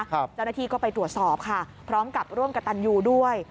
เจ้าหน้าที่ก็ไปตรวจสอบค่ะพร้อมกับร่วมกับตันยูด้วย